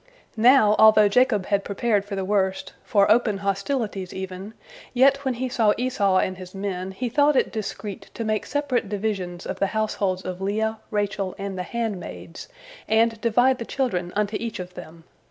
Now, although Jacob had prepared for the worst, for open hostilities even, yet when he saw Esau and his men, he thought it discreet to make separate divisions of the households of Leah, Rachel, and the handmaids, and divide the children unto each of them.